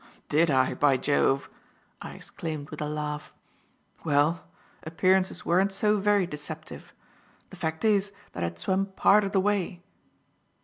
"Did I, by Jove!" I exclaimed with a laugh. "Well, appearances weren't so very deceptive. The fact is that I had swum part of the way."